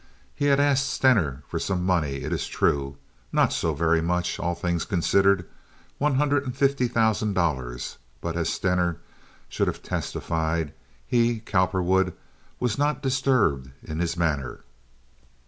He had asked Stener for some money, it is true—not so very much, all things considered—one hundred and fifty thousand dollars; but, as Stener should have testified, he (Cowperwood) was not disturbed in his manner.